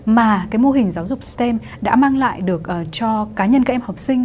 mà cái mô hình giáo dục stem đã mang lại được cho cá nhân các em học sinh